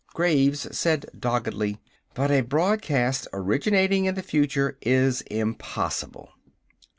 Graves said doggedly: "But a broadcast originating in the future is impossible!"